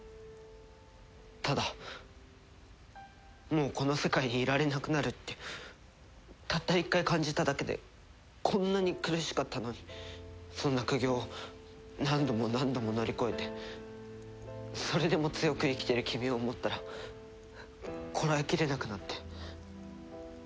ただもうこの世界にいられなくなるってたった一回感じただけでこんなに苦しかったのにそんな苦行を何度も何度も乗り越えてそれでも強く生きてる君を思ったらこらえきれなくなって。